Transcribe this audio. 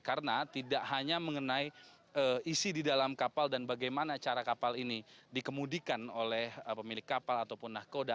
karena tidak hanya mengenai isi di dalam kapal dan bagaimana cara kapal ini dikemudikan oleh pemilik kapal ataupun nahkoda